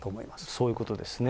そういうことですね。